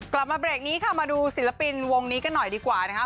กลับมาเบรกนี้ค่ะมาดูศิลปินวงนี้กันหน่อยดีกว่านะคะ